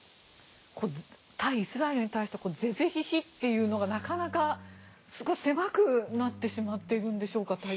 対イスラエルに対して是々非々というのがなかなかすごく狭くなってしまってるんでしょうか？